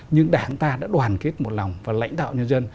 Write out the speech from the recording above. nhưng đảng ta đã đoàn kết một lòng và lãnh đạo nhân dân